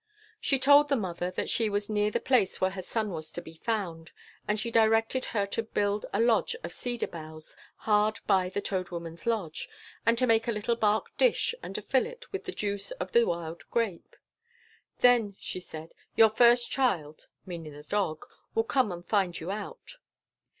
She told the mother that she was near the place where her son was to be found; and she directed her to build a lodge of cedar boughs hard by the old Toad Woman's lodge, and to make a little bark dish, and to fill it with the juice of the wild grape. "Then," she said, "your first child (meaning the dog) will come and find you out."